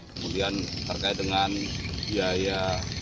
kemudian terkait dengan biaya